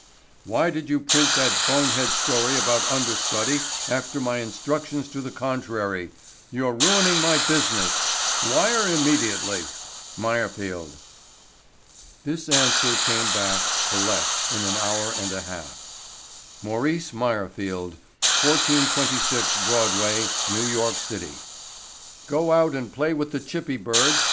WHY DID YOU PRINT THAT BONE HEAD STORY ABOUT UNDERSTUDY AFTER MY INSTRUCTIONS TO THE CON TRARY—YOU'RE RUINING MY BUSINESS —WIRE IMMEDIATELY. MEYERFIELD. This answer came back—collect—in an hour and a half: MAURICE MEYERFIELD, 1426 BROADWAY, NEW YORK CITY. GO OUT AND PLAY WITH THE CHIPPY BIRDS.